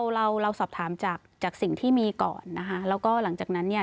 เราเราสอบถามจากจากสิ่งที่มีก่อนนะคะแล้วก็หลังจากนั้นเนี่ย